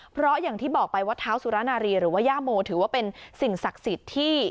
เพราะอย่างที่บอกไปวัดเท้าสุรนารีหรือว่าย่าโมถือว่าเป็นสิ่งศักดิ์สิทธิ์ที่